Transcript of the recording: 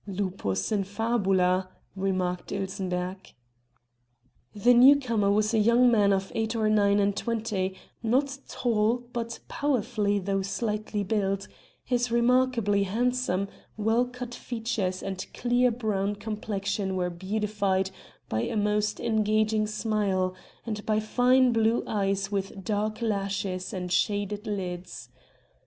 "Lupus in Fabula!" remarked Ilsenbergh. The new comer was a young man of eight or nine and twenty, not tall, but powerfully though slightly built; his remarkably handsome, well cut features and clear brown complexion were beautified by a most engaging smile, and by fine blue eyes with dark lashes and shaded lids.